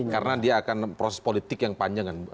karena dia akan proses politik yang panjang